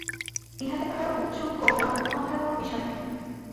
ইহাতে কাহারো ঔৎসুক্য বা উৎকণ্ঠার কোনো বিষয় নাই।